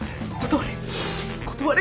断れ。